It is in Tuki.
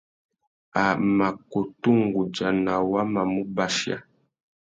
A mà kutu nʼgudzana wa mà mù bachia.